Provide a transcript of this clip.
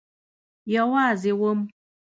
یوازی وم